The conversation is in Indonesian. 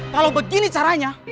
kalo begini caranya